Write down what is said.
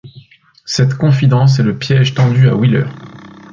Cette confidence est le piège tendu à Wheeler.